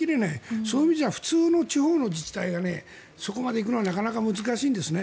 そういう意味じゃ普通の地方の自治体がそこまで行くのはなかなか難しいんですね。